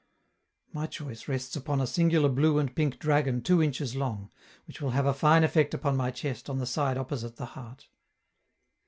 My choice rests upon a singular blue and pink dragon two inches long, which will have a fine effect upon my chest on the side opposite the heart.